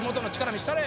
見したれ！